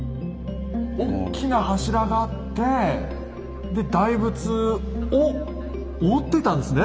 おっきな柱があってで大仏を覆ってたんですね。